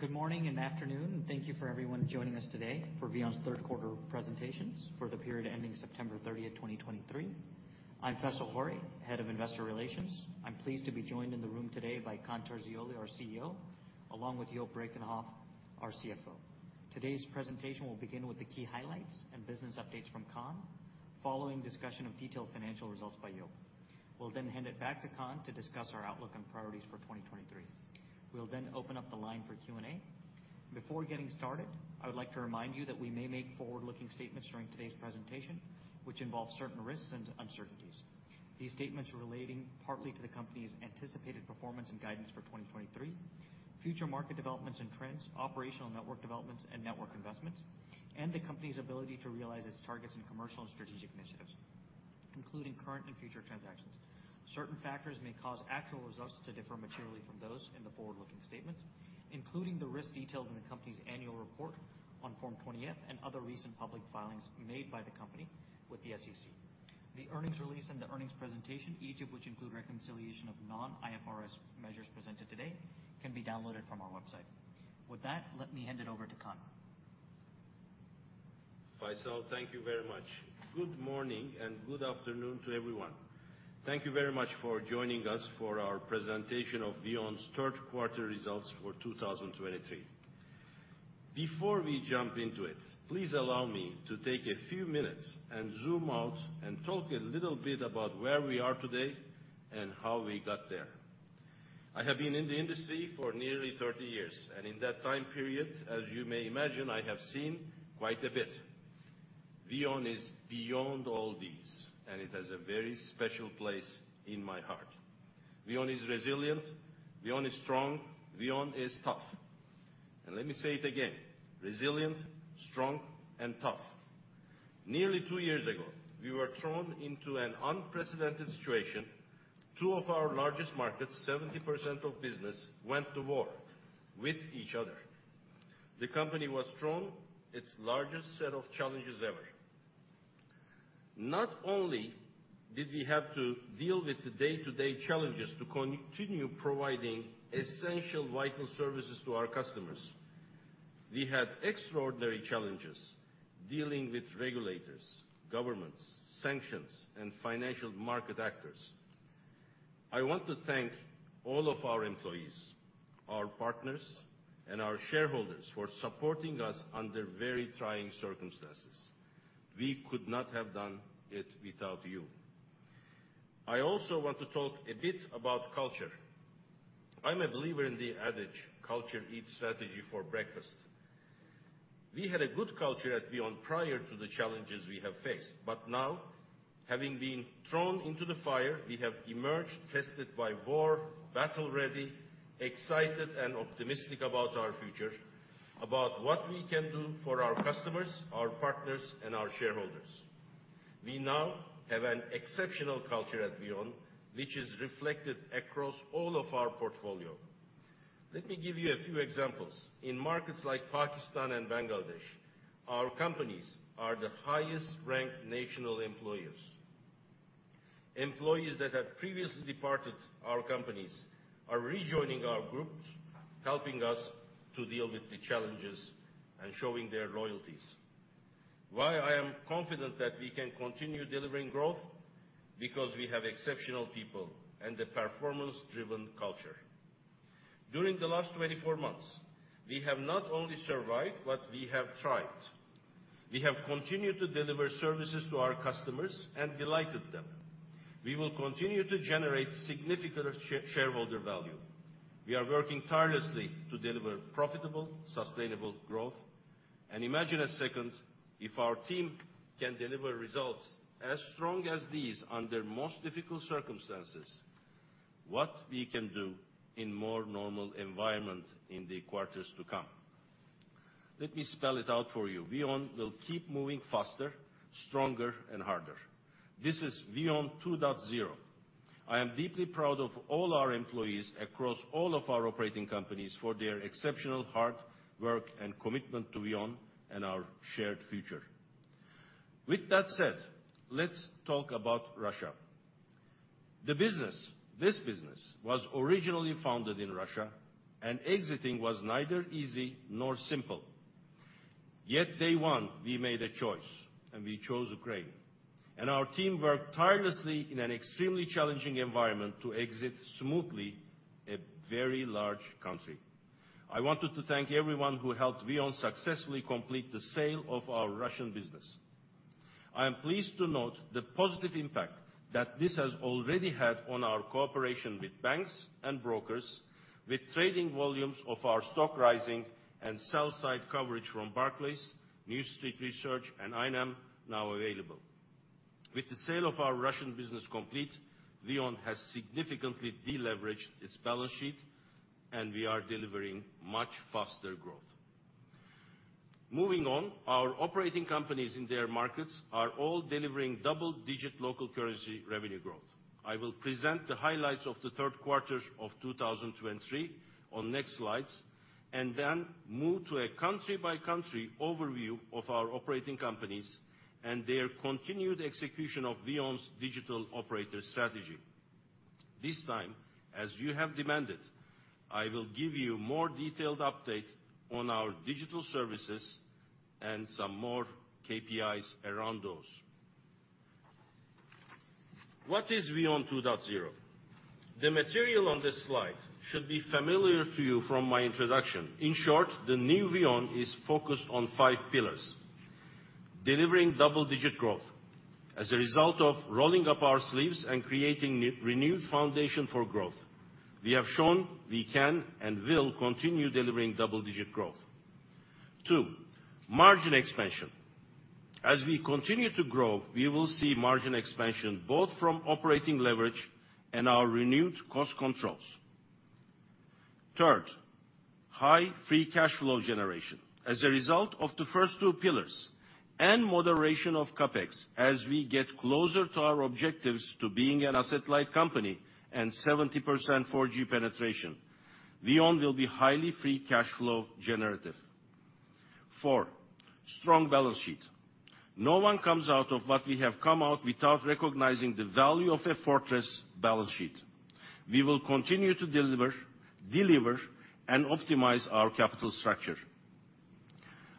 Hi, good morning and afternoon, and thank you for everyone joining us today for VEON's Third Quarter Presentations for the Period Ending September 30th, 2023. I'm Faisal Ghori, Head of Investor Relations. I'm pleased to be joined in the room today by Kaan Terzioğlu, our CEO, along with Joop Brakenhoff, our CFO. Today's presentation will begin with the key highlights and business updates from Kaan, following discussion of detailed financial results by Joop. We'll then hand it back to Kaan to discuss our outlook and priorities for 2023. We'll then open up the line for Q&A. Before getting started, I would like to remind you that we may make forward-looking statements during today's presentation, which involve certain risks and uncertainties. These statements are relating partly to the company's anticipated performance and guidance for 2023, future market developments and trends, operational network developments and network investments, and the company's ability to realize its targets in commercial and strategic initiatives, including current and future transactions. Certain factors may cause actual results to differ materially from those in the forward-looking statements, including the risks detailed in the company's annual report on Form 20-F and other recent public filings made by the company with the SEC. The earnings release and the earnings presentation, each of which include reconciliation of non-IFRS measures presented today, can be downloaded from our website. With that, let me hand it over to Kaan. Faisal, thank you very much. Good morning, and good afternoon to everyone. Thank you very much for joining us for our presentation of VEON's third quarter results for 2023. Before we jump into it, please allow me to take a few minutes and zoom out and talk a little bit about where we are today and how we got there. I have been in the industry for nearly 30 years, and in that time period, as you may imagine, I have seen quite a bit. VEON is beyond all these, and it has a very special place in my heart. VEON is resilient, VEON is strong, VEON is tough. And let me say it again, resilient, strong, and tough. Nearly two years ago, we were thrown into an unprecedented situation. Two of our largest markets, 70% of business, went to war with each other. The company was thrown its largest set of challenges ever. Not only did we have to deal with the day-to-day challenges to continue providing essential vital services to our customers, we had extraordinary challenges dealing with regulators, governments, sanctions, and financial market actors. I want to thank all of our employees, our partners, and our shareholders for supporting us under very trying circumstances. We could not have done it without you. I also want to talk a bit about culture. I'm a believer in the adage, "Culture eats strategy for breakfast." We had a good culture at VEON prior to the challenges we have faced, but now, having been thrown into the fire, we have emerged tested by war, battle-ready, excited, and optimistic about our future, about what we can do for our customers, our partners, and our shareholders. We now have an exceptional culture at VEON, which is reflected across all of our portfolio. Let me give you a few examples. In markets like Pakistan and Bangladesh, our companies are the highest-ranked national employers. Employees that had previously departed our companies are rejoining our groups, helping us to deal with the challenges and showing their loyalties. Why I am confident that we can continue delivering growth? Because we have exceptional people and a performance-driven culture. During the last 24 months, we have not only survived, but we have thrived. We have continued to deliver services to our customers and delighted them. We will continue to generate significant shareholder value. We are working tirelessly to deliver profitable, sustainable growth. Imagine a second, if our team can deliver results as strong as these under most difficult circumstances, what we can do in more normal environment in the quarters to come. Let me spell it out for you. VEON will keep moving faster, stronger, and harder. This is VEON 2.0. I am deeply proud of all our employees across all of our operating companies for their exceptional hard work and commitment to VEON and our shared future. With that said, let's talk about Russia. The business, this business, was originally founded in Russia, and exiting was neither easy nor simple. Yet, day one, we made a choice, and we chose Ukraine, and our team worked tirelessly in an extremely challenging environment to exit smoothly a very large country. I wanted to thank everyone who helped VEON successfully complete the sale of our Russian business. I am pleased to note the positive impact that this has already had on our cooperation with banks and brokers, with trading volumes of our stock rising and sell-side coverage from Barclays, New Street Research, and INM now available. With the sale of our Russian business complete, VEON has significantly deleveraged its balance sheet, and we are delivering much faster growth. Moving on, our operating companies in their markets are all delivering double-digit local currency revenue growth. I will present the highlights of the third quarter of 2023 on next slides, and then move to a country-by-country overview of our operating companies and their continued execution of VEON's digital operator strategy. This time, as you have demanded, I will give you more detailed update on our digital services and some more KPIs around those. What is VEON 2.0? The material on this slide should be familiar to you from my introduction. In short, the new VEON is focused on five pillars: delivering double-digit growth. As a result of rolling up our sleeves and creating renewed foundation for growth, we have shown we can and will continue delivering double-digit growth. Two, margin expansion. As we continue to grow, we will see margin expansion, both from operating leverage and our renewed cost controls. Third, high free cash flow generation. As a result of the first two pillars and moderation of CapEx, as we get closer to our objectives to being an asset-light company and 70% 4G penetration, VEON will be highly free cash flow generative. Four, strong balance sheet. No one comes out of what we have come out without recognizing the value of a fortress balance sheet. We will continue to deliver, deliver, and optimize our capital structure.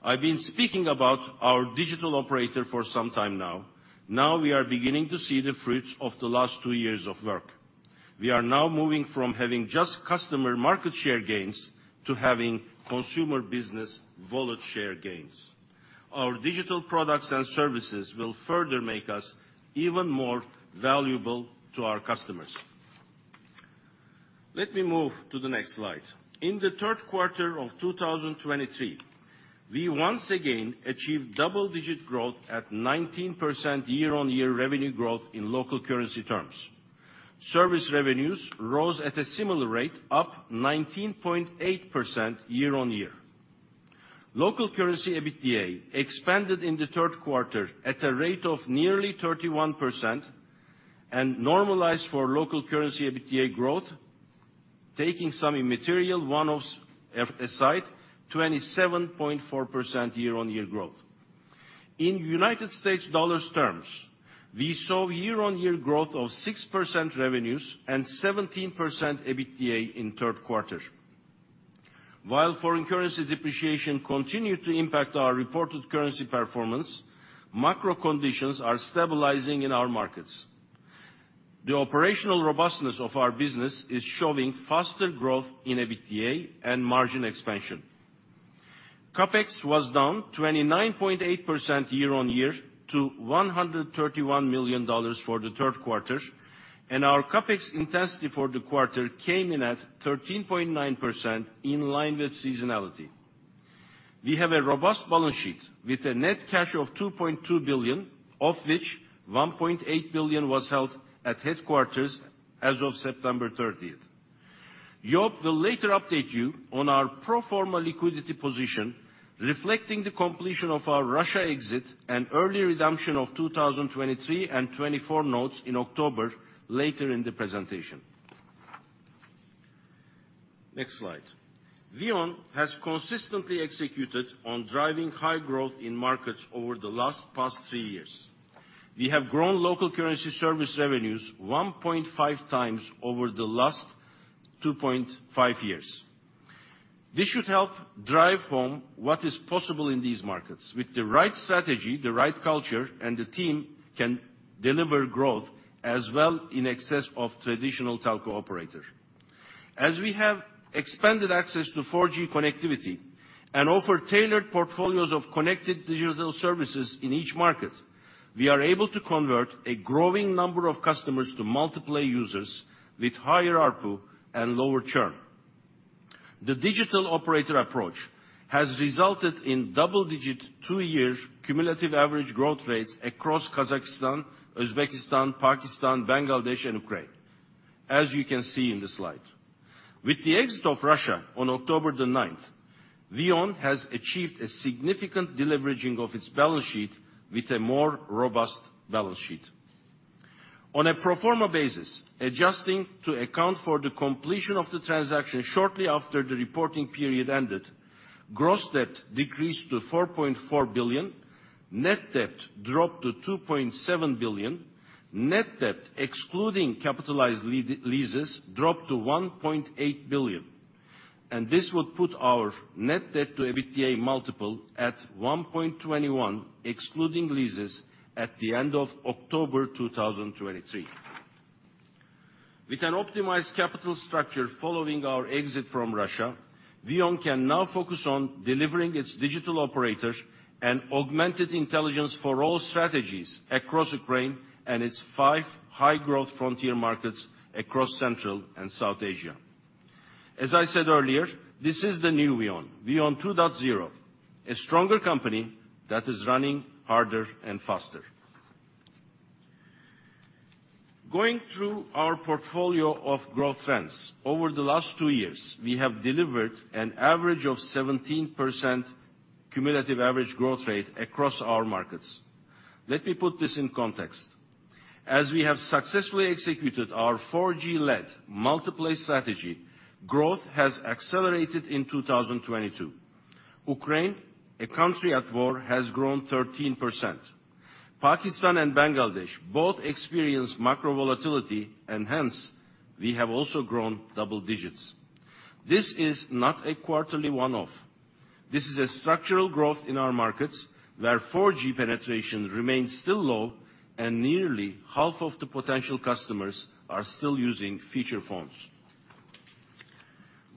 I've been speaking about our digital operator for some time now. Now we are beginning to see the fruits of the last two years of work. We are now moving from having just customer market share gains, to having consumer business wallet share gains. Our digital products and services will further make us even more valuable to our customers. Let me move to the next slide. In the third quarter of 2023, we once again achieved double-digit growth at 19% year-on-year revenue growth in local currency terms. Service revenues rose at a similar rate, up 19.8% year on year. Local currency EBITDA expanded in the third quarter at a rate of nearly 31%, and normalized for local currency EBITDA growth, taking some immaterial one-offs aside, 27.4% year-on-year growth. In United States dollars terms, we saw year-on-year growth of 6% revenues and 17% EBITDA in third quarter. While foreign currency depreciation continued to impact our reported currency performance, macro conditions are stabilizing in our markets. The operational robustness of our business is showing faster growth in EBITDA and margin expansion. CapEx was down 29.8% year-on-year to $131 million for the third quarter, and our CapEx intensity for the quarter came in at 13.9% in line with seasonality. We have a robust balance sheet with a net cash of $2.2 billion, of which $1.8 billion was held at headquarters as of September 30. Joop will later update you on our pro forma liquidity position, reflecting the completion of our Russia exit and early redemption of 2023 and 2024 notes in October, later in the presentation. Next slide. VEON has consistently executed on driving high growth in markets over the past three years. We have grown local currency service revenues 1.5x over the last 2.5 years. This should help drive home what is possible in these markets. With the right strategy, the right culture, and the team can deliver growth as well in excess of traditional telco operator. As we have expanded access to 4G connectivity and offer tailored portfolios of connected digital services in each market, we are able to convert a growing number of customers to multiple users with higher ARPU and lower churn. The digital operator approach has resulted in double-digit, two-year cumulative average growth rates across Kazakhstan, Uzbekistan, Pakistan, Bangladesh, and Ukraine, as you can see in the slide. With the exit of Russia on October the ninth, VEON has achieved a significant deleveraging of its balance sheet with a more robust balance sheet. On a pro forma basis, adjusting to account for the completion of the transaction shortly after the reporting period ended, gross debt decreased to $4.4 billion, net debt dropped to $2.7 billion, net debt excluding capitalized leases dropped to $1.8 billion. And this will put our net debt to EBITDA multiple at 1.21x, excluding leases, at the end of October 2023. With an optimized capital structure following our exit from Russia, VEON can now focus on delivering on its digital operator DO 1440 strategies across Ukraine and its five high-growth frontier markets across Central and South Asia. As I said earlier, this is the new VEON, VEON 2.0, a stronger company that is running harder and faster. Going through our portfolio of growth trends, over the last two years, we have delivered an average of 17% cumulative average growth rate across our markets. Let me put this in context. As we have successfully executed our 4G-led multi-play strategy, growth has accelerated in 2022. Ukraine, a country at war, has grown 13%. Pakistan and Bangladesh both experienced macro volatility, and hence, we have also grown double digits. This is not a quarterly one-off. This is a structural growth in our markets, where 4G penetration remains still low and nearly half of the potential customers are still using feature phones.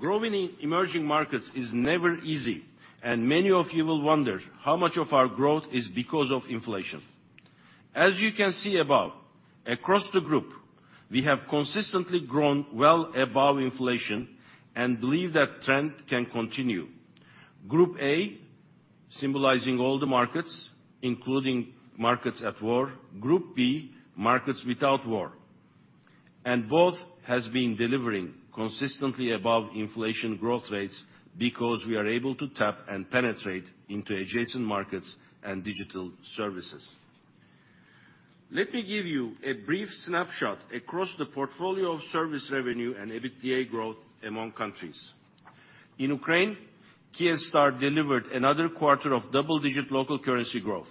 Growing in emerging markets is never easy, and many of you will wonder how much of our growth is because of inflation. As you can see above, across the group, we have consistently grown well above inflation and believe that trend can continue. Group A, symbolizing all the markets, including markets at war. Group B, markets without war. And both has been delivering consistently above inflation growth rates because we are able to tap and penetrate into adjacent markets and digital services. Let me give you a brief snapshot across the portfolio of service revenue and EBITDA growth among countries. In Ukraine, Kyivstar delivered another quarter of double-digit local currency growth.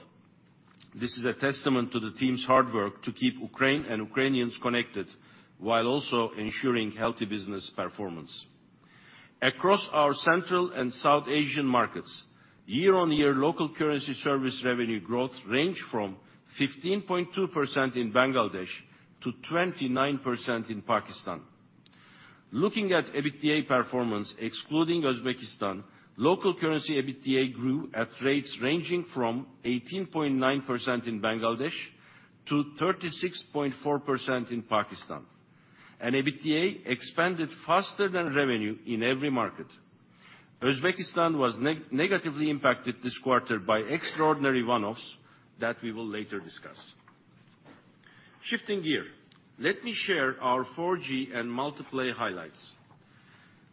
This is a testament to the team's hard work to keep Ukraine and Ukrainians connected, while also ensuring healthy business performance. Across our Central and South Asian markets, year-on-year local currency service revenue growth ranged from 15.2% in Bangladesh to 29% in Pakistan. Looking at EBITDA performance, excluding Uzbekistan, local currency EBITDA grew at rates ranging from 18.9% in Bangladesh to 36.4% in Pakistan, and EBITDA expanded faster than revenue in every market. Uzbekistan was negatively impacted this quarter by extraordinary one-offs that we will later discuss. Shifting gear, let me share our 4G and multi-play highlights.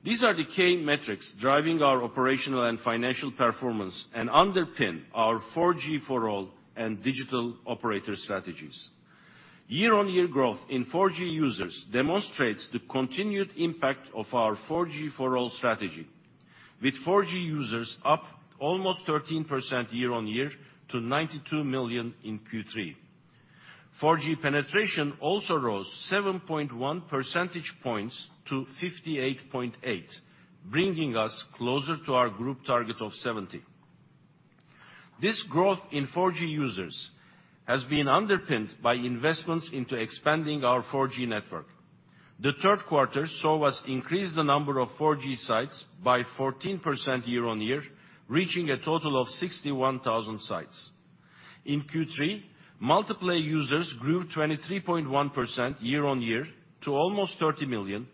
These are the key metrics driving our operational and financial performance and underpin our 4G for all and digital operator strategies. Year-on-year growth in 4G users demonstrates the continued impact of our 4G for all strategy, with 4G users up almost 13% year-on-year to 92 million in Q3. 4G penetration also rose 7.1 percentage points to 58.8, bringing us closer to our group target of 70. This growth in 4G users has been underpinned by investments into expanding our 4G network. The third quarter saw us increase the number of 4G sites by 14% year-on-year, reaching a total of 61,000 sites. In Q3, multi-play users grew 23.1% year-on-year to almost 30 million,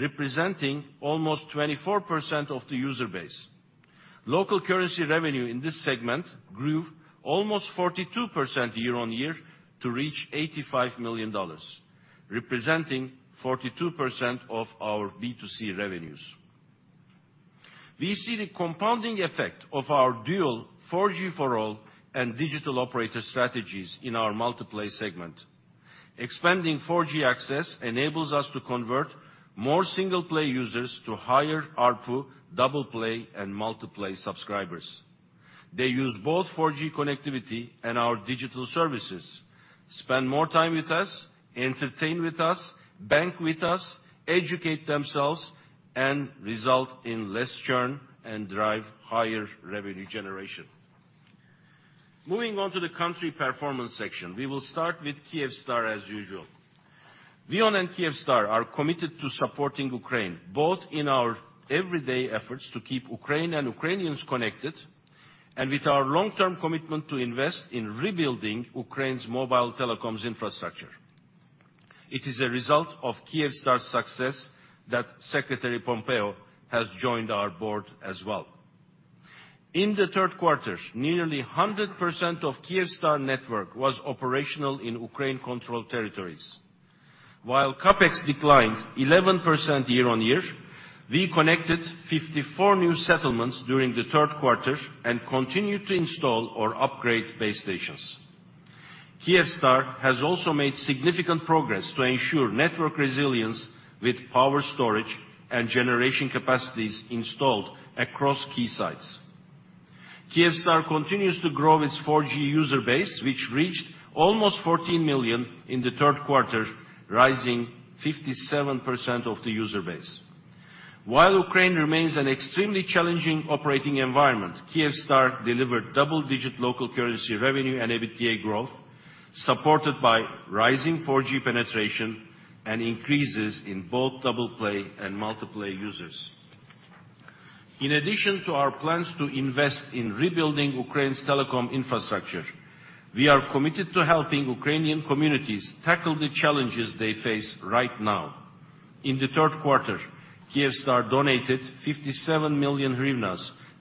representing almost 24% of the user base. Local currency revenue in this segment grew almost 42% year-on-year to reach $85 million, representing 42% of our B2C revenues. We see the compounding effect of our dual 4G for all and digital operator strategies in our multi-play segment. Expanding 4G access enables us to convert more single-play users to higher ARPU, double-play, and multi-play subscribers. They use both 4G connectivity and our digital services, spend more time with us, entertain with us, bank with us, educate themselves, and result in less churn and drive higher revenue generation. Moving on to the country performance section, we will start with Kyivstar as usual. VEON and Kyivstar are committed to supporting Ukraine, both in our everyday efforts to keep Ukraine and Ukrainians connected, and with our long-term commitment to invest in rebuilding Ukraine's mobile telecoms infrastructure. It is a result of Kyivstar's success that Secretary Pompeo has joined our board as well. In the third quarter, nearly 100% of Kyivstar network was operational in Ukraine-controlled territories. While CapEx declined 11% year-on-year, we connected 54 new settlements during the third quarter and continued to install or upgrade base stations. Kyivstar has also made significant progress to ensure network resilience with power storage and generation capacities installed across key sites. Kyivstar continues to grow its 4G user base, which reached almost 14 million in the third quarter, rising 57% of the user base. While Ukraine remains an extremely challenging operating environment, Kyivstar delivered double-digit local currency revenue and EBITDA growth, supported by rising 4G penetration and increases in both double-play and multi-play users. In addition to our plans to invest in rebuilding Ukraine's telecom infrastructure, we are committed to helping Ukrainian communities tackle the challenges they face right now. In the third quarter, Kyivstar donated UAH 57 million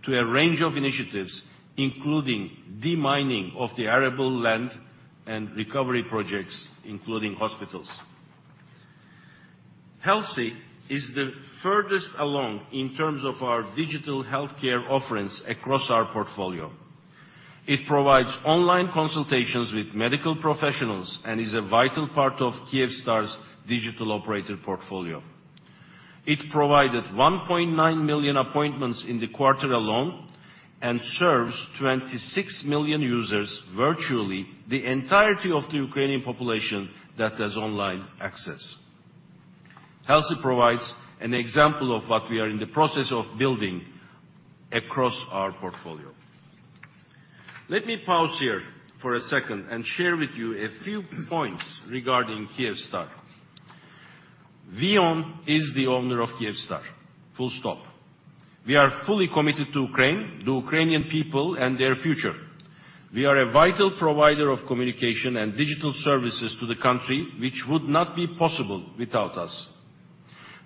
to a range of initiatives, including de-mining of the arable land and recovery projects, including hospitals. Helsi is the furthest along in terms of our digital healthcare offerings across our portfolio. It provides online consultations with medical professionals and is a vital part of Kyivstar's digital operator portfolio. It provided 1.9 million appointments in the quarter alone and serves 26 million users, virtually the entirety of the Ukrainian population that has online access. Helsi provides an example of what we are in the process of building across our portfolio. Let me pause here for a second and share with you a few points regarding Kyivstar. VEON is the owner of Kyivstar, full stop. We are fully committed to Ukraine, the Ukrainian people, and their future. We are a vital provider of communication and digital services to the country, which would not be possible without us.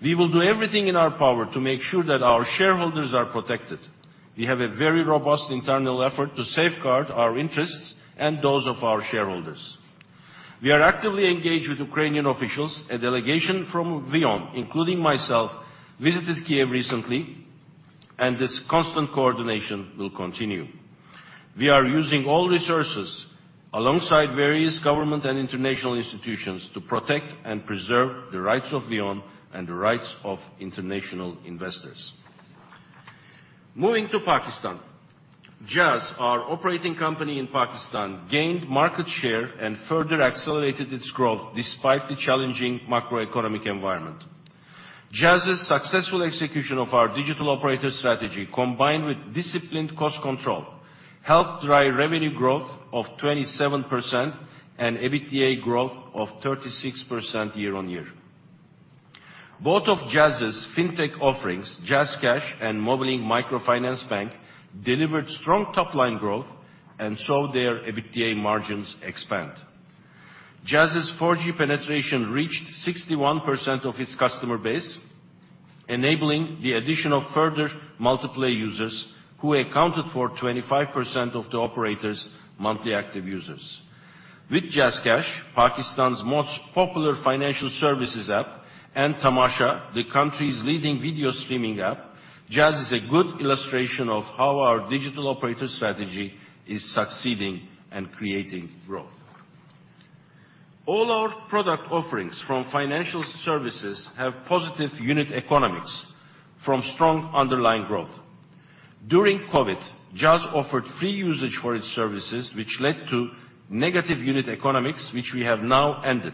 We will do everything in our power to make sure that our shareholders are protected. We have a very robust internal effort to safeguard our interests and those of our shareholders. We are actively engaged with Ukrainian officials. A delegation from VEON, including myself, visited Kyiv recently, and this constant coordination will continue. We are using all resources, alongside various government and international institutions, to protect and preserve the rights of VEON and the rights of international investors. Moving to Pakistan. Jazz, our operating company in Pakistan, gained market share and further accelerated its growth despite the challenging macroeconomic environment. Jazz's successful execution of our digital operator strategy, combined with disciplined cost control, helped drive revenue growth of 27% and EBITDA growth of 36% year-on-year. Both of Jazz's fintech offerings, JazzCash and Mobilink Microfinance Bank, delivered strong top-line growth, and so their EBITDA margins expand. Jazz's 4G penetration reached 61% of its customer base, enabling the addition of further multi-play users, who accounted for 25% of the operator's monthly active users. With JazzCash, Pakistan's most popular financial services app, and Tamasha, the country's leading video streaming app, Jazz is a good illustration of how our digital operator strategy is succeeding and creating growth. All our product offerings from financial services have positive unit economics from strong underlying growth. During COVID, Jazz offered free usage for its services, which led to negative unit economics, which we have now ended.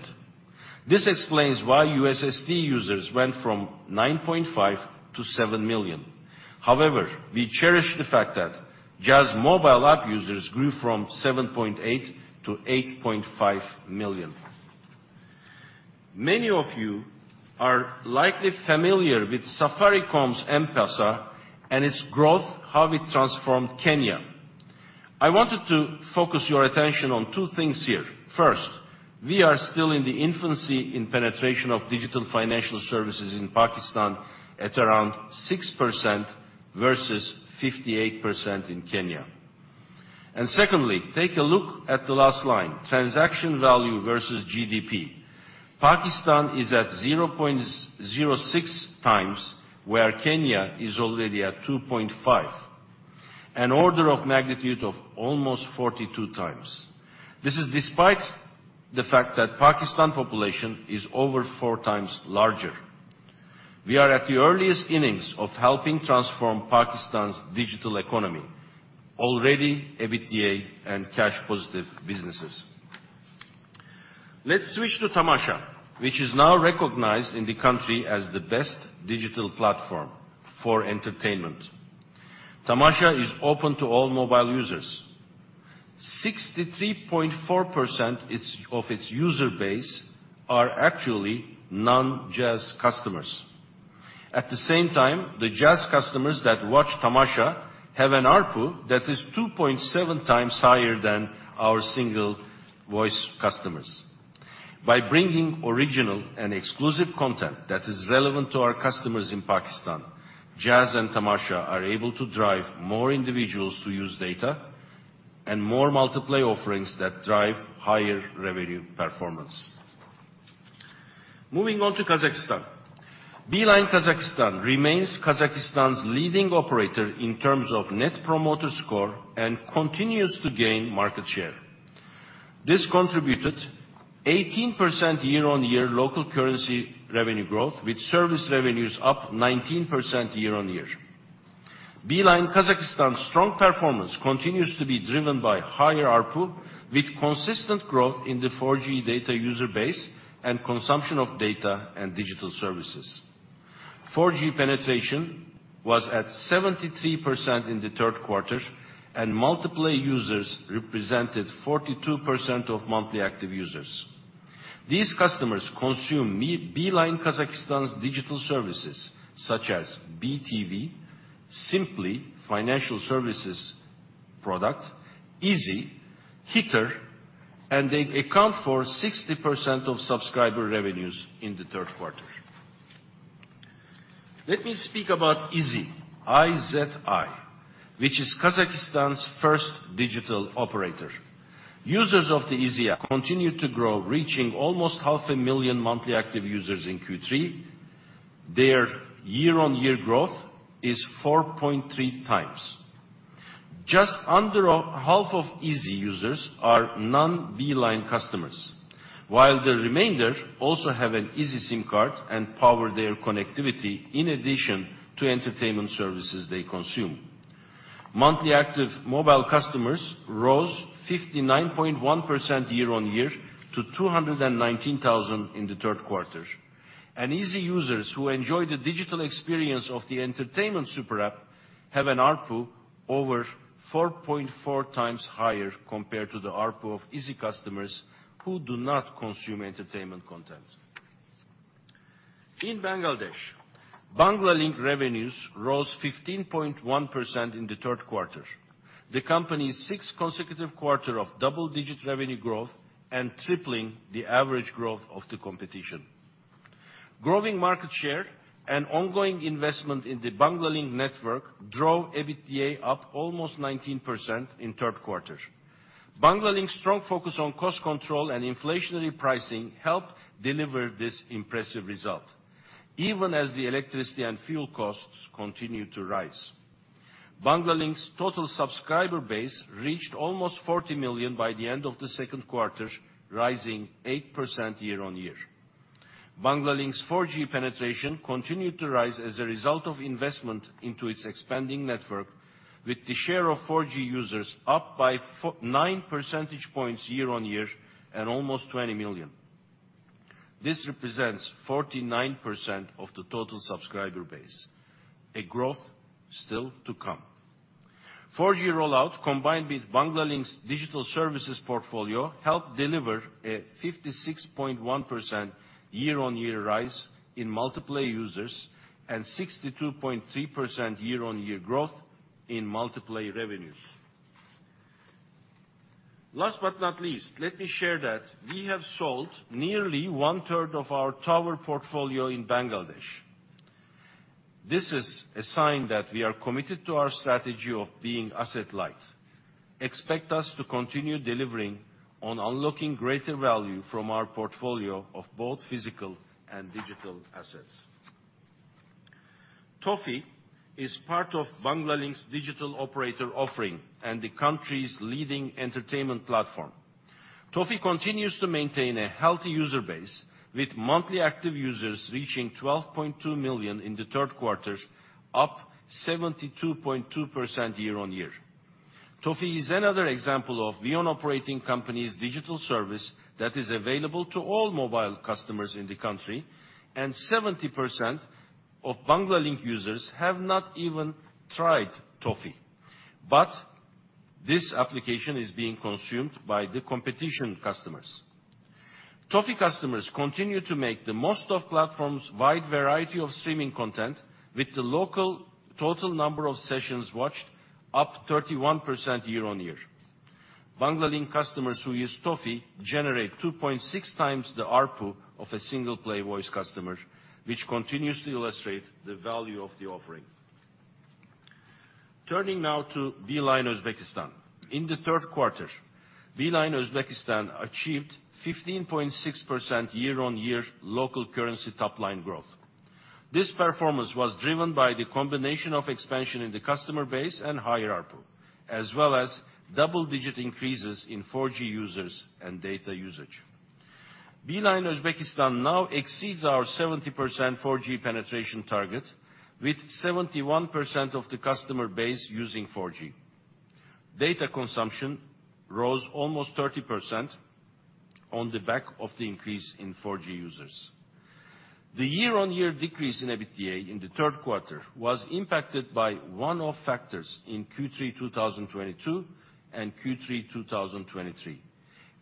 This explains why USSD users went from 9.5 million to 7 million. However, we cherish the fact that Jazz mobile app users grew from 7.8 million to 8.5 million. Many of you are likely familiar with Safaricom's M-Pesa and its growth, how it transformed Kenya. I wanted to focus your attention on two things here. First, we are still in the infancy in penetration of digital financial services in Pakistan at around 6% versus 58% in Kenya. And secondly, take a look at the last line, transaction value versus GDP. Pakistan is at 0.06x, where Kenya is already at 2.5x, an order of magnitude of almost 42x. This is despite the fact that Pakistan population is over 4x larger. We are at the earliest innings of helping transform Pakistan's digital economy, already EBITDA and cash positive businesses. Let's switch to Tamasha, which is now recognized in the country as the best digital platform for entertainment. Tamasha is open to all mobile users. 63.4% of its user base are actually non-Jazz customers. At the same time, the Jazz customers that watch Tamasha have an ARPU that is 2.7x higher than our single voice customers. By bringing original and exclusive content that is relevant to our customers in Pakistan, Jazz and Tamasha are able to drive more individuals to use data and more multi-play offerings that drive higher revenue performance. Moving on to Kazakhstan. Beeline Kazakhstan remains Kazakhstan's leading operator in terms of Net Promoter Score and continues to gain market share. This contributed 18% year-on-year local currency revenue growth, with service revenues up 19% year-on-year. Beeline Kazakhstan's strong performance continues to be driven by higher ARPU, with consistent growth in the 4G data user base and consumption of data and digital services. 4G penetration was at 73% in the third quarter, and multi-play users represented 42% of monthly active users. These customers consume Beeline Kazakhstan's digital services, such as BeeTV, Simply financial services product, IZI, Hitter and they account for 60% of subscriber revenues in the third quarter. Let me speak about IZI, I-Z-I, which is Kazakhstan's first digital operator. Users of the IZI continued to grow, reaching almost 500,000 monthly active users in Q3. Their year-on-year growth is 4.3x. Just under a half of IZI users are non-Beeline customers, while the remainder also have an IZI SIM card and power their connectivity in addition to entertainment services they consume. Monthly active mobile customers rose 59.1% year-on-year to 219,000 in the third quarter. IZI users who enjoy the digital experience of the entertainment super app have an ARPU over 4.4x higher compared to the ARPU of IZI customers who do not consume entertainment content. In Bangladesh, Banglalink revenues rose 15.1% in the third quarter, the company's sixth consecutive quarter of double-digit revenue growth and tripling the average growth of the competition. Growing market share and ongoing investment in the Banglalink network drove EBITDA up almost 19% in third quarter. Banglalink's strong focus on cost control and inflationary pricing helped deliver this impressive result, even as the electricity and fuel costs continued to rise. Banglalink's total subscriber base reached almost 40 million by the end of the second quarter, rising 8% year-on-year. Banglalink's 4G penetration continued to rise as a result of investment into its expanding network, with the share of 4G users up by 49 percentage points year-on-year and almost 20 million. This represents 49% of the total subscriber base, a growth still to come. 4G rollout, combined with Banglalink's digital services portfolio, helped deliver a 56.1% year-on-year rise in multi-play users and 62.3% year-on-year growth in multi-play revenues. Last but not least, let me share that we have sold nearly one third of our tower portfolio in Bangladesh. This is a sign that we are committed to our strategy of being asset light. Expect us to continue delivering on unlocking greater value from our portfolio of both physical and digital assets. Toffee is part of Banglalink's digital operator offering and the country's leading entertainment platform. Toffee continues to maintain a healthy user base, with monthly active users reaching 12.2 million in the third quarter, up 72.2% year-on-year. Toffee is another example of VEON operating company's digital service that is available to all mobile customers in the country, and 70% of Banglalink users have not even tried Toffee, but this application is being consumed by the competition customers. Toffee customers continue to make the most of platform's wide variety of streaming content, with the local total number of sessions watched up 31% year-on-year. Banglalink customers who use Toffee generate 2.6x the ARPU of a single play voice customer, which continuously illustrate the value of the offering. Turning now to Beeline Uzbekistan. In the third quarter, Beeline Uzbekistan achieved 15.6% year-on-year local currency top line growth. This performance was driven by the combination of expansion in the customer base and higher ARPU, as well as double-digit increases in 4G users and data usage. Beeline Uzbekistan now exceeds our 70% 4G penetration target, with 71% of the customer base using 4G. Data consumption rose almost 30% on the back of the increase in 4G users. The year-on-year decrease in EBITDA in the third quarter was impacted by one-off factors in Q3 2022 and Q3 2023.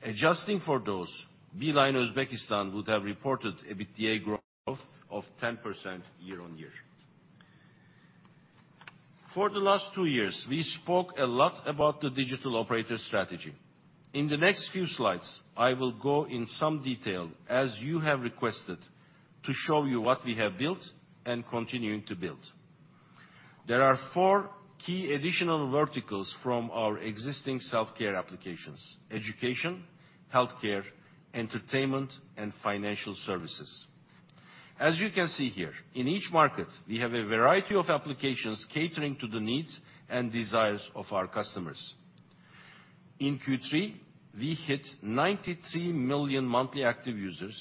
Adjusting for those, Beeline Uzbekistan would have reported EBITDA growth of 10% year-on-year. For the last two years, we spoke a lot about the digital operator strategy. In the next few slides, I will go in some detail, as you have requested, to show you what we have built and continuing to build. There are four key additional verticals from our existing self-care applications: education, healthcare, entertainment, and financial services. As you can see here, in each market, we have a variety of applications catering to the needs and desires of our customers. In Q3, we hit 93 million monthly active users,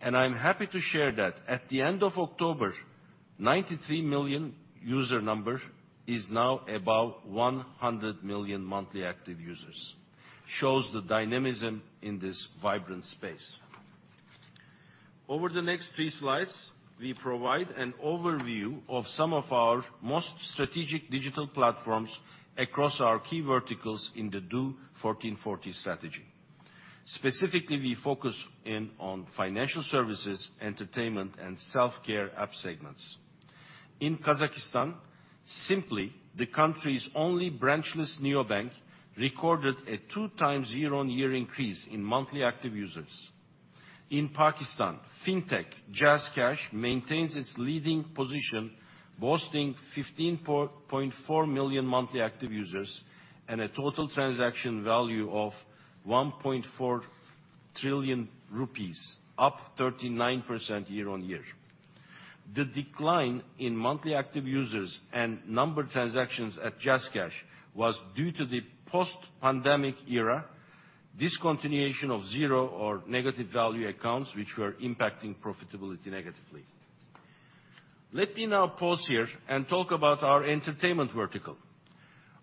and I'm happy to share that at the end of October, 93 million user number is now about 100 million monthly active users. Shows the dynamism in this vibrant space. Over the next three slides, we provide an overview of some of our most strategic digital platforms across our key verticals in the DO 1440 strategy. Specifically, we focus in on financial services, entertainment, and self-care app segments. In Kazakhstan, Simply, the country's only branchless neobank, recorded a 2x year-on-year increase in monthly active users. In Pakistan, fintech JazzCash maintains its leading position, boasting 15.4 million monthly active users and a total transaction value of PKR 1.4 trillion, up 39% year-on-year. The decline in monthly active users and number transactions at JazzCash was due to the post-pandemic era discontinuation of zero or negative value accounts, which were impacting profitability negatively. Let me now pause here and talk about our entertainment vertical.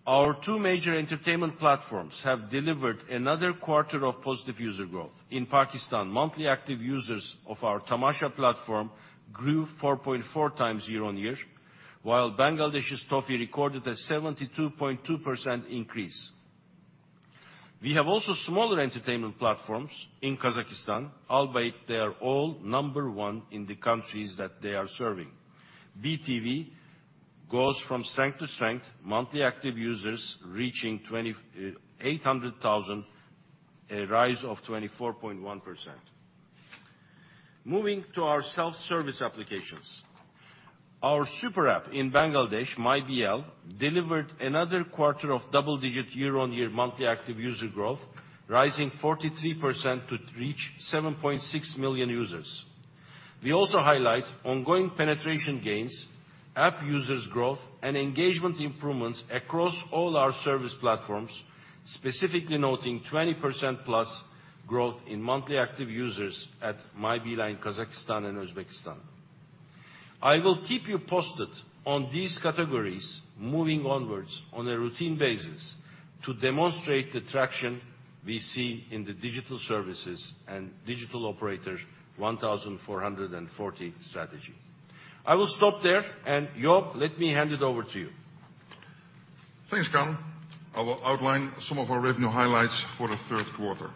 Our two major entertainment platforms have delivered another quarter of positive user growth. In Pakistan, monthly active users of our Tamasha platform grew 4.4x year-on-year, while Bangladesh's Toffee recorded a 72.2% increase. We have also smaller entertainment platforms in Kazakhstan, albeit they are all number one in the countries that they are serving. VTV goes from strength to strength, monthly active users reaching 2,800,000, a rise of 24.1%. Moving to our self-service applications. Our super app in Bangladesh, MyBL, delivered another quarter of double-digit year-on-year monthly active user growth, rising 43% to reach 7.6 million users. We also highlight ongoing penetration gains, app users growth, and engagement improvements across all our service platforms, specifically noting 20%+ growth in monthly active users at MyBL in Kazakhstan and Uzbekistan. I will keep you posted on these categories moving onwards on a routine basis to demonstrate the traction we see in the digital services and digital operator 1,440 strategy. I will stop there, and Joop, let me hand it over to you. Thanks, Kaan. I will outline some of our revenue highlights for the third quarter.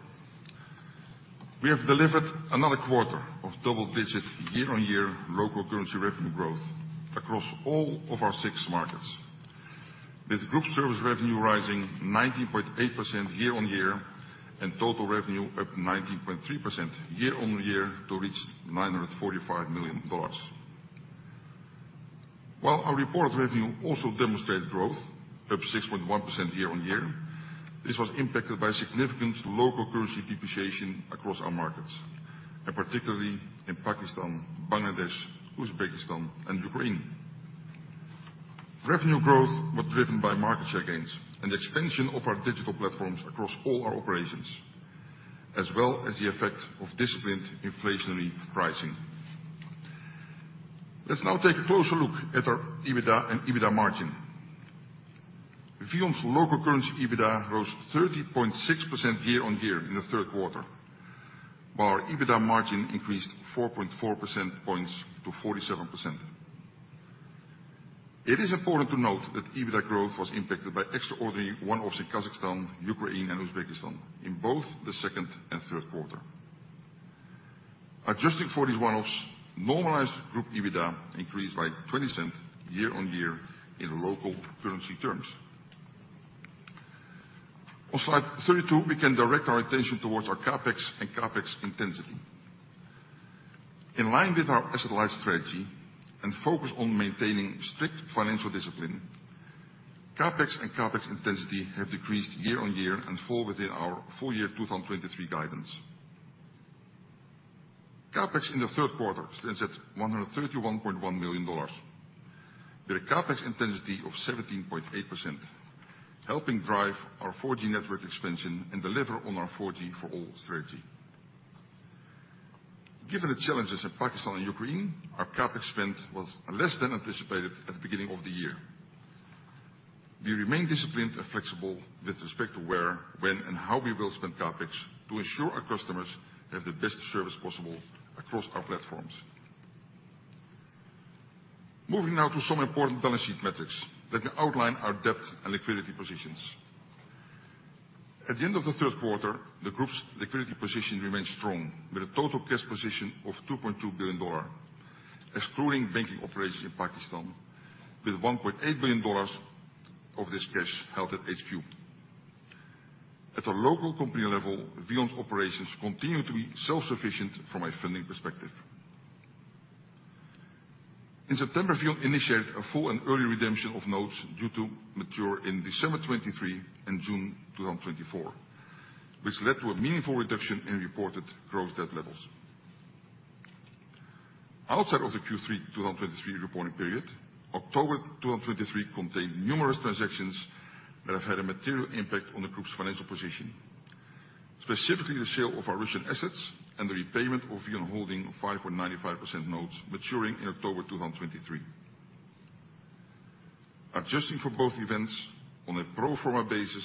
We have delivered another quarter of double-digit year-on-year local currency revenue growth across all of our six markets, with group service revenue rising 19.8% year-on-year, and total revenue up 19.3% year-on-year to reach $945 million. While our reported revenue also demonstrated growth, up 6.1% year-on-year, this was impacted by significant local currency depreciation across our markets, and particularly in Pakistan, Bangladesh, Uzbekistan, and Ukraine. Revenue growth was driven by market share gains and the expansion of our digital platforms across all our operations, as well as the effect of disciplined inflationary pricing. Let's now take a closer look at our EBITDA and EBITDA margin. VEON's local currency EBITDA rose 30.6% year-on-year in the third quarter, while our EBITDA margin increased 4.4 percentage points to 47%. It is important to note that EBITDA growth was impacted by extraordinary one-offs in Kazakhstan, Ukraine, and Uzbekistan in both the second and third quarter. Adjusting for these one-offs, normalized group EBITDA increased by 20% year-on-year in local currency terms. On slide 32, we can direct our attention towards our CapEx and CapEx intensity. In line with our asset-light strategy and focus on maintaining strict financial discipline, CapEx and CapEx intensity have decreased year-on-year and fall within our full year 2023 guidance. CapEx in the third quarter stands at $131.1 million, with a CapEx intensity of 17.8%, helping drive our 4G network expansion and deliver on our 4G for all strategy. Given the challenges in Pakistan and Ukraine, our CapEx spend was less than anticipated at the beginning of the year. We remain disciplined and flexible with respect to where, when, and how we will spend CapEx to ensure our customers have the best service possible across our platforms. Moving now to some important balance sheet metrics that can outline our debt and liquidity positions. At the end of the third quarter, the group's liquidity position remained strong, with a total cash position of $2.2 billion, excluding banking operations in Pakistan, with $1.8 billion of this cash held at HQ. At a local company level, VEON's operations continue to be self-sufficient from a funding perspective. In September, VEON initiated a full and early redemption of notes due to mature in December 2023 and June 2024, which led to a meaningful reduction in reported gross debt levels. Outside of the Q3 2023 reporting period, October 2023 contained numerous transactions that have had a material impact on the group's financial position, specifically the sale of our Russian assets and the repayment of VEON holding 5.95% notes maturing in October 2023. Adjusting for both events on a pro forma basis,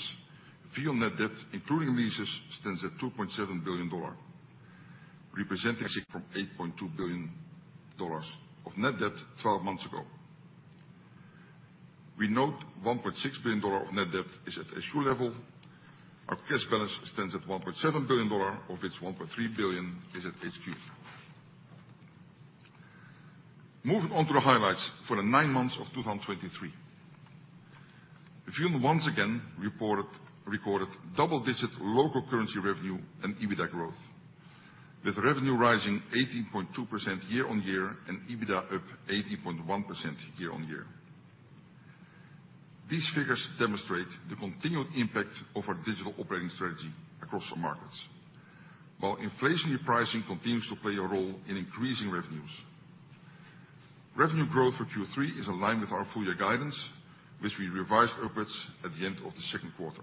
VEON net debt, including leases, stands at $2.7 billion, representing from $8.2 billion of net debt 12 months ago. We note $1.6 billion of net debt at issue level. Our cash balance stands at $1.7 billion, of which $1.3 billion is at HQ. Moving on to the highlights for the nine months of 2023. VEON once again reported recorded double-digit local currency revenue and EBITDA growth, with revenue rising 18.2% year-on-year and EBITDA up 18.1% year-on-year. These figures demonstrate the continued impact of our digital operating strategy across our markets, while inflationary pricing continues to play a role in increasing revenues. Revenue growth for Q3 is in line with our full-year guidance, which we revised upwards at the end of the second quarter.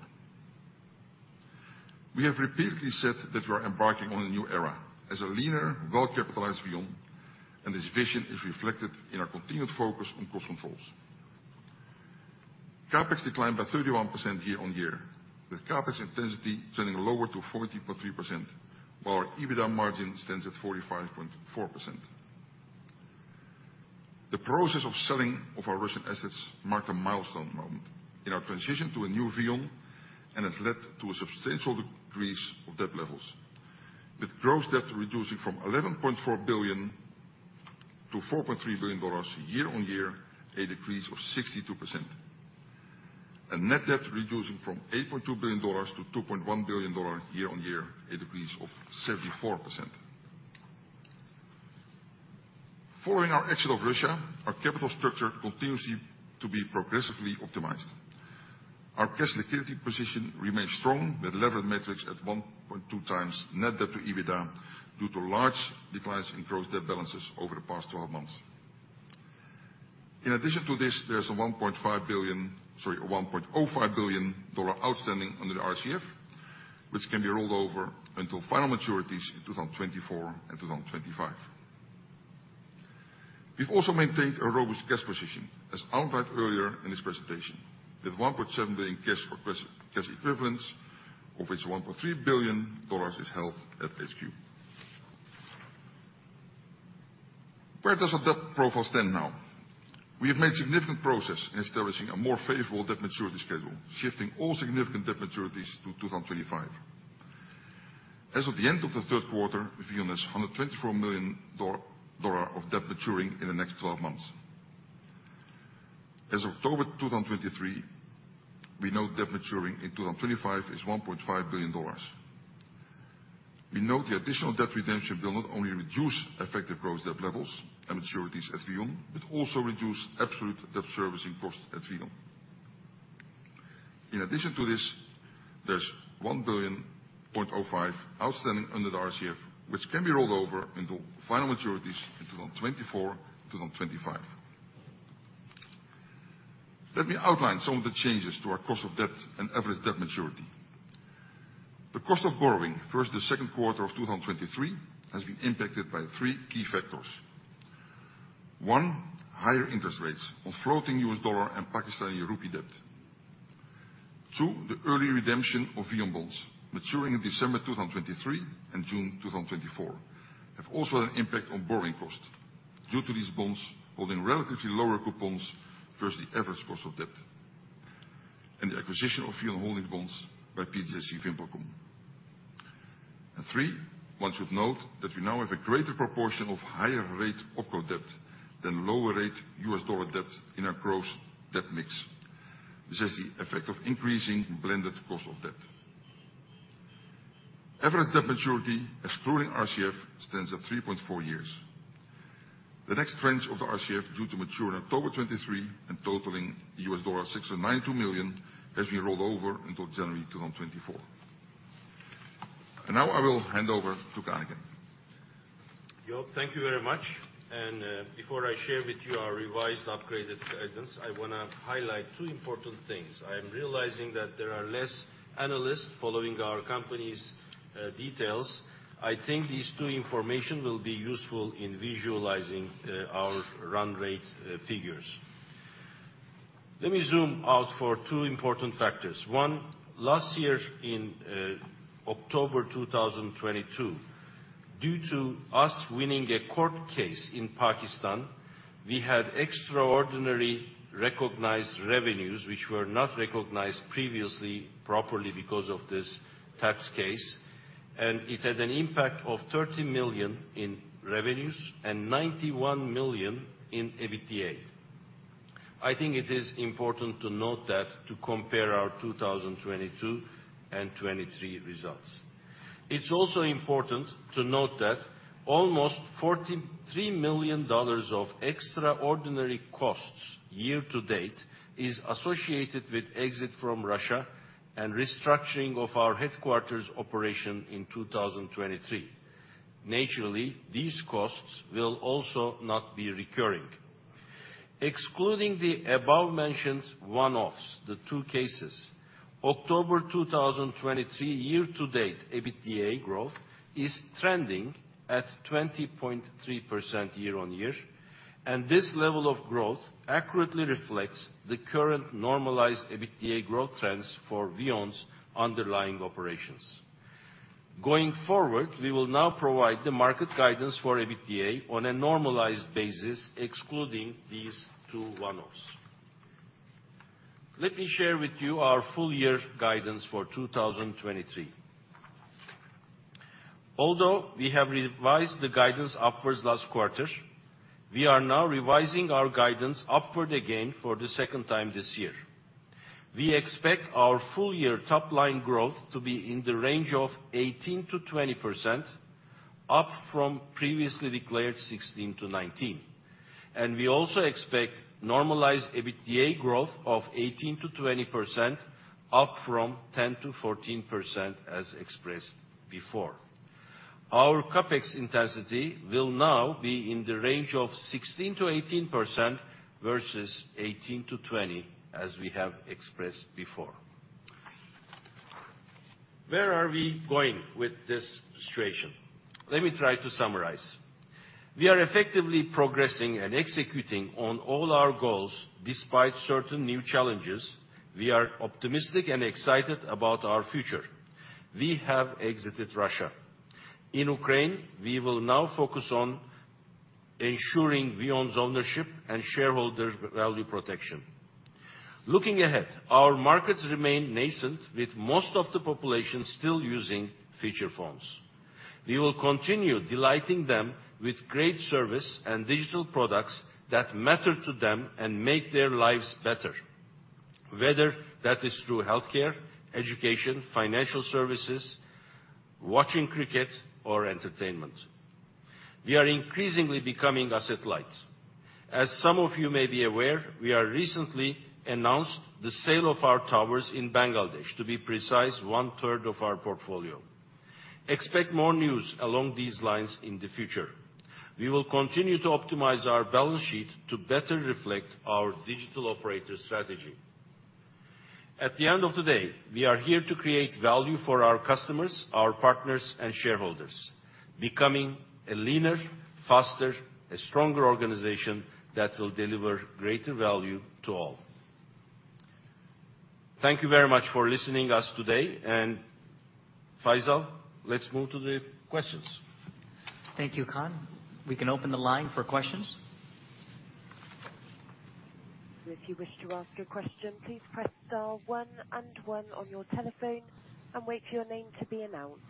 We have repeatedly said that we are embarking on a new era as a leaner, well-capitalized VEON, and this vision is reflected in our continued focus on cost controls. CapEx declined by 31% year-on-year, with CapEx intensity turning lower to 40.3%, while our EBITDA margin stands at 45.4%. The process of selling of our Russian assets marked a milestone moment in our transition to a new VEON, and has led to a substantial decrease of debt levels, with gross debt reducing from $11.4 billion to $4.3 billion year-on-year, a decrease of 62%. Net debt reducing from $8.2 billion to $2.1 billion year-on-year, a decrease of 74%. Following our exit of Russia, our capital structure continues to be progressively optimized. Our cash liquidity position remains strong, with levered metrics at 1.2x net debt to EBITDA, due to large declines in gross debt balances over the past 12 months. In addition to this, there is a $1.5 billion, sorry, a $1.05 billion outstanding under the RCF, which can be rolled over until final maturities in 2024 and 2025. We've also maintained a robust cash position, as outlined earlier in this presentation, with $1.7 billion cash or cash equivalents, of which $1.3 billion is held at HQ. Where does our debt profile stand now? We have made significant progress in establishing a more favorable debt maturity schedule, shifting all significant debt maturities to 2025. As of the end of the third quarter, VEON has $124 million of debt maturing in the next 12 months. As of October 2023, we know debt maturing in 2025 is $1.5 billion. We note the additional debt redemption will not only reduce effective gross debt levels and maturities at VEON, but also reduce absolute debt servicing costs at VEON. In addition to this, there's $1.05 billion outstanding under the RCF, which can be rolled over into final maturities in 2024, 2025. Let me outline some of the changes to our cost of debt and average debt maturity. The cost of borrowing versus the second quarter of 2023, has been impacted by three key factors. One, higher interest rates on floating U.S. dollar and Pakistani rupee debt. Two, the early redemption of VEON bonds maturing in December 2023 and June 2024, have also had an impact on borrowing costs, due to these bonds holding relatively lower coupons versus the average cost of debt and the acquisition of VEON Holding bonds by PJSC VimpelCom. Three, one should note that we now have a greater proportion of higher rate opco debt than lower rate U.S. dollar debt in our gross debt mix. This has the effect of increasing blended cost of debt. Average debt maturity, excluding RCF, stands at 3.4 years. The next tranche of the RCF, due to mature in October 2023 and totaling $692 million, has been rolled over until January 2024. Now I will hand over to Kaan again. Joop, thank you very much. Before I share with you our revised, upgraded guidance, I want to highlight two important things. I am realizing that there are less analysts following our company's details. I think these two information will be useful in visualizing our run rate figures. Let me zoom out for two important factors. One, last year in October 2022, due to us winning a court case in Pakistan, we had extraordinary recognized revenues, which were not recognized previously, properly because of this tax case, and it had an impact of $30 million in revenues and $91 million in EBITDA. I think it is important to note that to compare our 2022 and 2023 results. It's also important to note that almost $43 million of extraordinary costs year to date is associated with exit from Russia and restructuring of our headquarters operation in 2023. Naturally, these costs will also not be recurring. Excluding the above-mentioned one-offs, the two cases, October 2023, year to date, EBITDA growth is trending at 20.3% year-on-year, and this level of growth accurately reflects the current normalized EBITDA growth trends for VEON's underlying operations. Going forward, we will now provide the market guidance for EBITDA on a normalized basis, excluding these two one-offs. Let me share with you our full year guidance for 2023. Although we have revised the guidance upwards last quarter, we are now revising our guidance upward again for the second time this year. We expect our full-year top-line growth to be in the range of 18%-20% up from previously declared 16%-19%. We also expect normalized EBITDA growth of 18%-20%, up from 10%-14%, as expressed before. Our CapEx intensity will now be in the range of 16%-18%, versus 18%-20%, as we have expressed before. Where are we going with this situation? Let me try to summarize. We are effectively progressing and executing on all our goals despite certain new challenges. We are optimistic and excited about our future. We have exited Russia. In Ukraine, we will now focus on ensuring VEON's ownership and shareholder value protection. Looking ahead, our markets remain nascent, with most of the population still using feature phones. We will continue delighting them with great service and digital products that matter to them and make their lives better, whether that is through healthcare, education, financial services, watching cricket, or entertainment. We are increasingly becoming asset light. As some of you may be aware, we have recently announced the sale of our towers in Bangladesh, to be precise, one third of our portfolio. Expect more news along these lines in the future. We will continue to optimize our balance sheet to better reflect our digital operator strategy. At the end of the day, we are here to create value for our customers, our partners, and shareholders, becoming a leaner, faster, a stronger organization that will deliver greater value to all. Thank you very much for listening us today. Faisal, let's move to the questions. Thank you, Kaan. We can open the line for questions. If you wish to ask a question, please press star one and one on your telephone and wait for your name to be announced.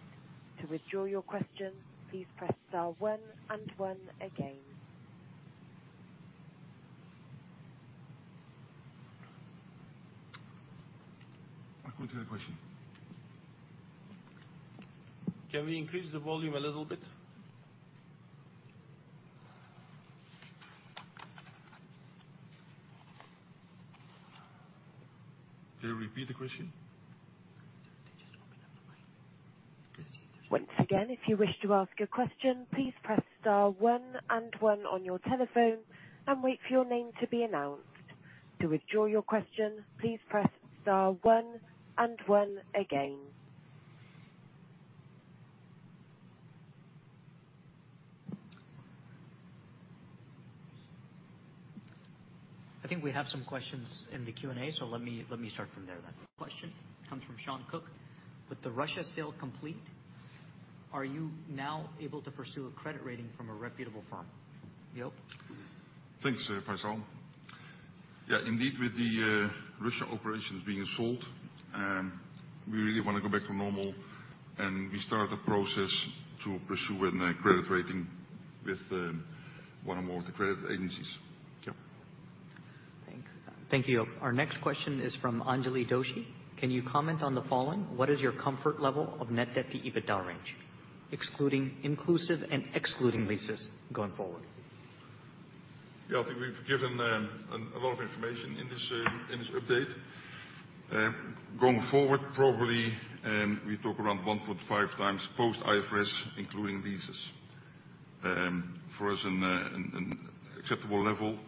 To withdraw your question, please press star one and one again. I can't hear the question. Can we increase the volume a little bit? Can you repeat the question? They just opened up the line. Once again, if you wish to ask a question, please press star 1 and 1 on your telephone and wait for your name to be announced. To withdraw your question, please press star 1 and 1 again. I think we have some questions in the Q&A, so let me, let me start from there then. Question comes from Sean Cook: With the Russia sale complete, are you now able to pursue a credit rating from a reputable firm? Joop? Thanks, Faisal. Yeah, indeed, with the Russia operations being sold, we really want to go back to normal, and we start a process to pursue a net credit rating with one or more of the credit agencies. Yeah. Thank you, Joop. Our next question is from Anjali Doshi. Can you comment on the following? What is your comfort level of net debt to EBITDA range, excluding inclusive and excluding leases going forward? Yeah, I think we've given a lot of information in this update. Going forward, probably, we talk around 1.5x post IFRS, including leases. For us, an acceptable level,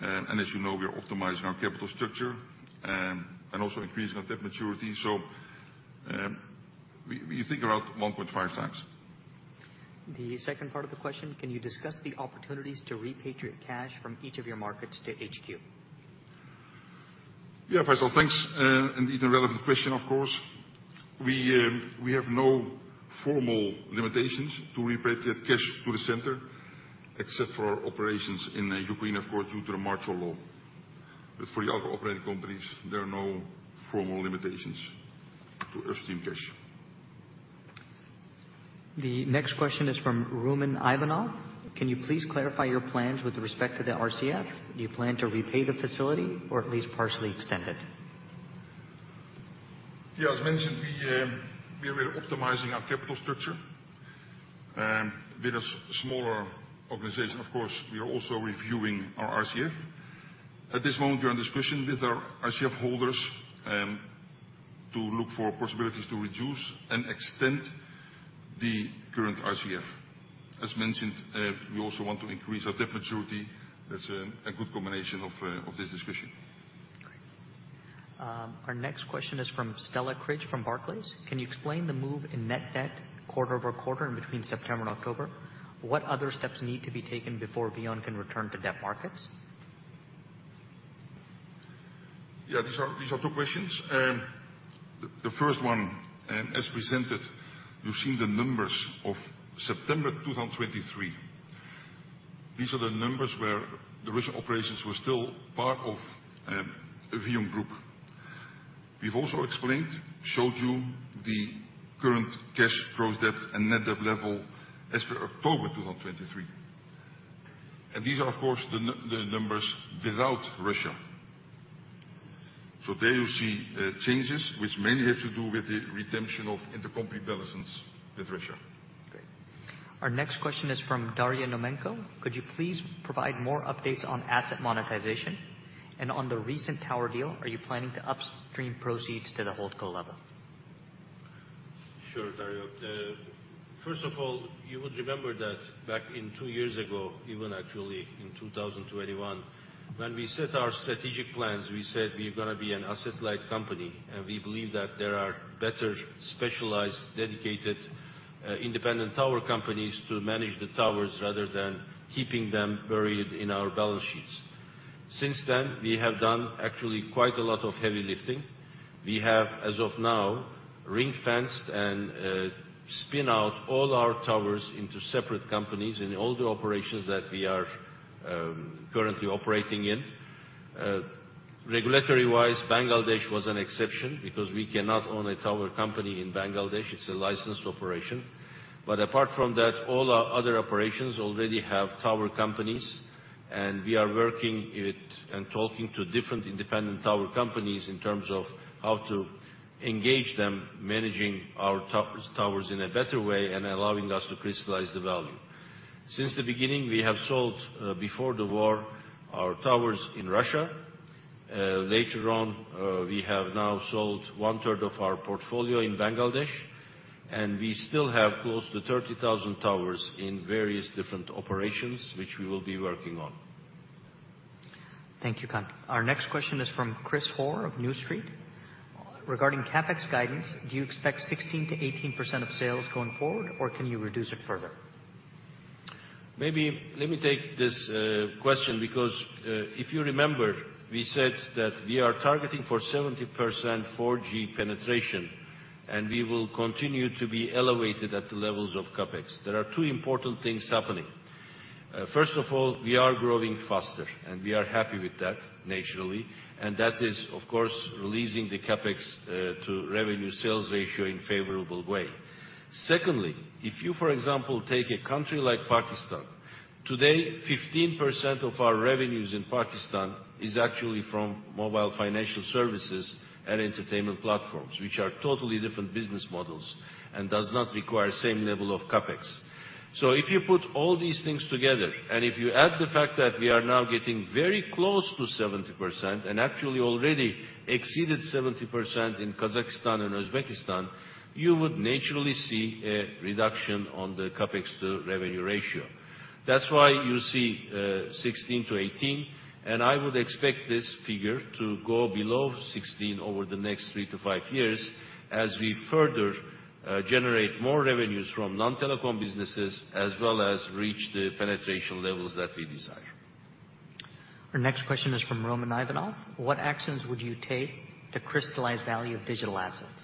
and as you know, we are optimizing our capital structure, and also increasing our debt maturity. So, we think about 1.5x. The second part of the question, can you discuss the opportunities to repatriate cash from each of your markets to HQ? Yeah, Faisal, thanks. It's a relevant question, of course. We have no formal limitations to repatriate cash to the center, except for operations in Ukraine, of course, due to the martial law. But for the other operating companies, there are no formal limitations to upstream cash. The next question is from Roman Ivanov. Can you please clarify your plans with respect to the RCF? Do you plan to repay the facility or at least partially extend it? Yeah, as mentioned, we, we are optimizing our capital structure, with a smaller organization. Of course, we are also reviewing our RCF. At this moment, we are in discussion with our RCF holders, to look for possibilities to reduce and extend the current RCF. As mentioned, we also want to increase our debt maturity. That's, a good combination of, of this discussion. Great. Our next question is from Stella Cridge, from Barclays. Can you explain the move in net debt quarter-over-quarter in between September and October? What other steps need to be taken before VEON can return to debt markets? Yeah, these are, these are two questions. The, the first one, as presented, you've seen the numbers of September 2023. These are the numbers where the Russia operations were still part of, VEON Group. We've also explained, showed you the current cash, gross debt, and net debt level as per October 2023. And these are, of course, the numbers without Russia. So there you see, changes which mainly have to do with the redemption of intercompany balances with Russia. Great. Our next question is from Daria Naumenko: Could you please provide more updates on asset monetization? And on the recent tower deal, are you planning to upstream proceeds to the HoldCo level? Sure, Daria. First of all, you would remember that back in two years ago, even actually in 2021, when we set our strategic plans, we said we're gonna be an asset-light company, and we believe that there are better specialized, dedicated, independent tower companies to manage the towers rather than keeping them buried in our balance sheets. Since then, we have done actually quite a lot of heavy lifting. We have, as of now, ring-fenced and spin out all our towers into separate companies in all the operations that we are currently operating in. Regulatory-wise, Bangladesh was an exception because we cannot own a tower company in Bangladesh. It's a licensed operation. But apart from that, all our other operations already have tower companies, and we are working with and talking to different independent tower companies in terms of how to engage them, managing our towers in a better way and allowing us to crystallize the value. Since the beginning, we have sold, before the war, our towers in Russia. Later on, we have now sold one-third of our portfolio in Bangladesh, and we still have close to 30,000 towers in various different operations, which we will be working on. Thank you, Kaan. Our next question is from Chris Hoare of New Street Research: Regarding CapEx guidance, do you expect 16%-18% of sales going forward, or can you reduce it further? Maybe let me take this question, because if you remember, we said that we are targeting for 70% 4G penetration, and we will continue to be elevated at the levels of CapEx. There are two important things happening. First of all, we are growing faster, and we are happy with that, naturally, and that is, of course, releasing the CapEx to revenue sales ratio in favorable way. Secondly, if you, for example, take a country like Pakistan, today, 15% of our revenues in Pakistan is actually from mobile financial services and entertainment platforms, which are totally different business models and does not require the same level of CapEx. If you put all these things together, and if you add the fact that we are now getting very close to 70%, and actually already exceeded 70% in Kazakhstan and Uzbekistan, you would naturally see a reduction on the CapEx to revenue ratio. That's why you see 16%-18%, and I would expect this figure to go below 16% over the next three-five years as we further generate more revenues from non-telecom businesses, as well as reach the penetration levels that we desire. Our next question is from Roman Ivanov: What actions would you take to crystallize value of digital assets?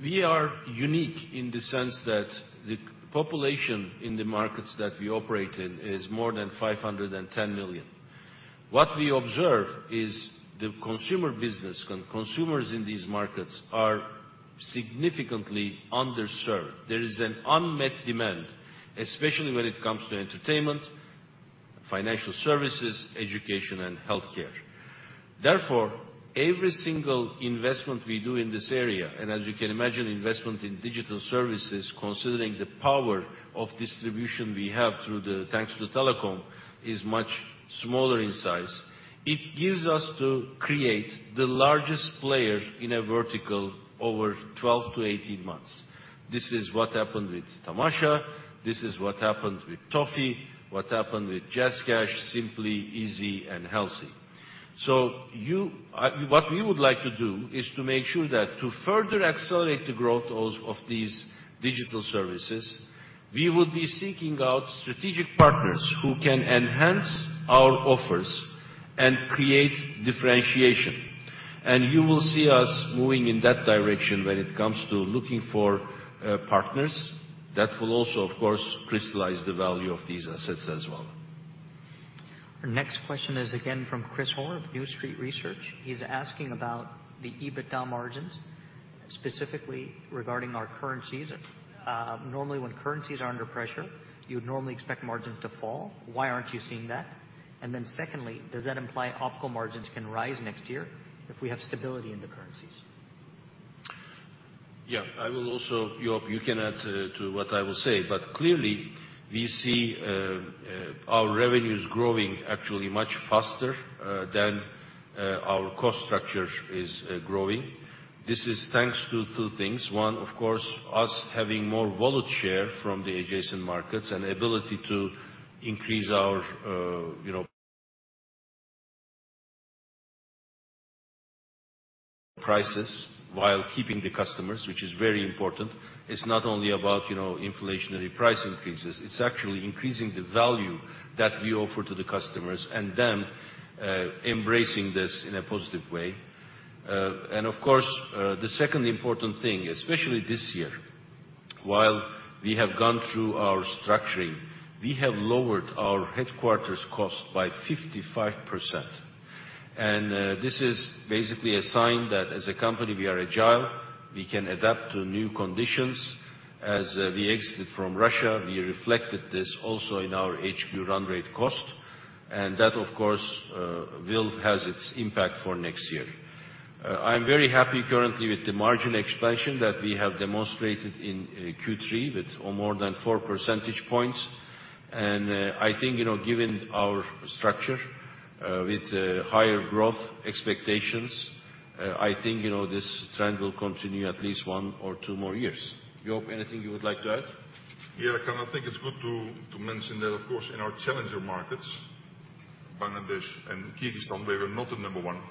We are unique in the sense that the population in the markets that we operate in is more than 510 million. What we observe is the consumer business, consumers in these markets are significantly underserved. There is an unmet demand, especially when it comes to entertainment, financial services, education, and healthcare. Therefore, every single investment we do in this area, and as you can imagine, investment in digital services, considering the power of distribution we have through the, thanks to the telecom, is much smaller in size. It gives us to create the largest player in a vertical over 12-18 months. This is what happened with Tamasha, this is what happened with Toffee, what happened with JazzCash, Simply, IZI, and Helsi. So you, what we would like to do is to make sure that to further accelerate the growth of, of these digital services, we would be seeking out strategic partners who can enhance our offers and create differentiation. And you will see us moving in that direction when it comes to looking for, partners. That will also, of course, crystallize the value of these assets as well. Our next question is again from Chris Hoare of New Street Research. He's asking about the EBITDA margins, specifically regarding our currencies. Normally, when currencies are under pressure, you'd normally expect margins to fall. Why aren't you seeing that? And then secondly, does that imply overall margins can rise next year if we have stability in the currencies? Yeah. I will also, Joop, you can add to what I will say. But clearly, we see our revenues growing actually much faster than our cost structure is growing. This is thanks to two things. One, of course, us having more wallet share from the adjacent markets and ability to increase our, you know, prices while keeping the customers, which is very important. It's not only about, you know, inflationary price increases, it's actually increasing the value that we offer to the customers and them embracing this in a positive way. And of course, the second important thing, especially this year, while we have gone through our structuring, we have lowered our headquarters cost by 55%. And this is basically a sign that as a company, we are agile. We can adapt to new conditions. As we exited from Russia, we reflected this also in our HQ run rate cost, and that, of course, will, has its impact for next year. I'm very happy currently with the margin expansion that we have demonstrated in Q3, with, oh, more than 4 percentage points. And I think, you know, given our structure, with higher growth expectations, I think, you know, this trend will continue at least one or two more years. Joop, anything you would like to add? Yeah, I kind of think it's good to mention that, of course, in our challenger markets, Bangladesh and Kyrgyzstan, where we're not the number one,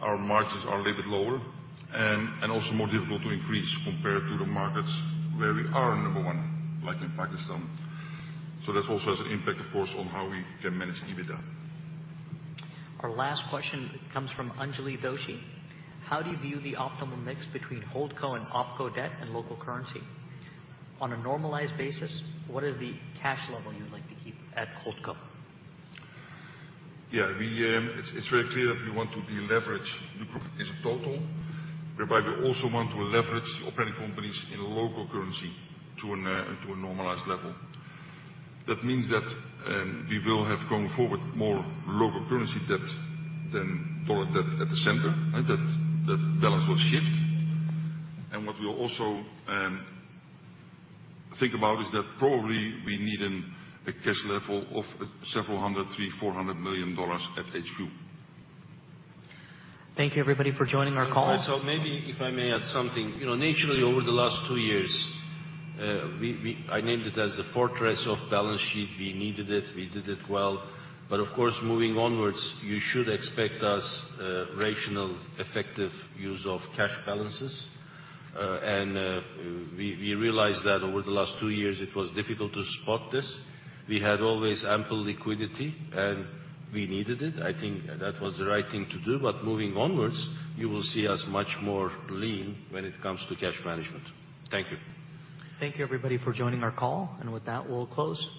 our margins are a little bit lower, and also more difficult to increase compared to the markets where we are number one, like in Pakistan. So that also has an impact, of course, on how we can manage EBITDA. Our last question comes from Anjali Doshi: How do you view the optimal mix between HoldCo and OpCo debt and local currency? On a normalized basis, what is the cash level you'd like to keep at HoldCo? Yeah, we. It's very clear that we want to deleverage the group as a total, whereby we also want to leverage operating companies in local currency to a to a normalized level. That means that we will have, going forward, more local currency debt than dollar debt at the center, and that balance will shift. And what we'll also think about is that probably we need a cash level of several hundred, $300 million-$400 million at HQ. Thank you, everybody, for joining our call. Maybe if I may add something. You know, naturally, over the last two years, I named it as the fortress of balance sheet. We needed it. We did it well. But of course, moving onwards, you should expect us rational, effective use of cash balances. And we realized that over the last two years it was difficult to spot this. We had always ample liquidity, and we needed it. I think that was the right thing to do, but moving onwards, you will see us much more lean when it comes to cash management. Thank you. Thank you, everybody, for joining our call. With that, we'll close.